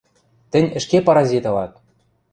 – Тӹнь ӹшке паразит ылат!